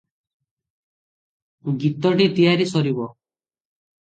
ଗୀତଟି ତିଆରି ସରିବ ।